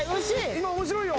今面白いよ。